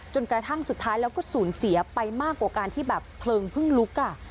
กระทั่งสุดท้ายแล้วก็สูญเสียไปมากกว่าการที่แบบเพลิงเพิ่งลุก